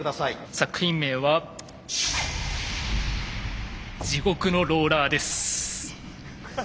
作品名は「地獄のローラー！！」です。